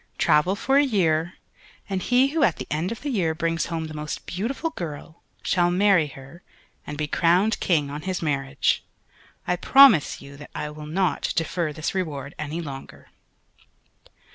Travel for a year, and he who at the end of the year brings home the most beautiful girl shall marry her, and be crowned king on his marriage. I promise you that I will not defer this reward any longer."